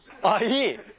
あっいい。